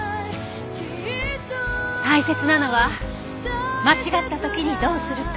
大切なのは間違った時にどうするか。